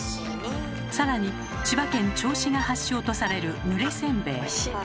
更に千葉県銚子が発祥とされるぬれせんべい。